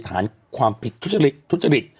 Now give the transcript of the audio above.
ฐานความผิดทุจริต